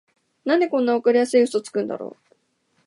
なんでこんなわかりやすいウソつくんだろ